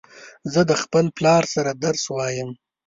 زه د خپل پلار سره درس وایم